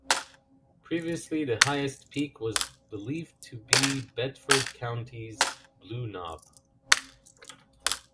Previously the highest peak was believed to be Bedford County's Blue Knob.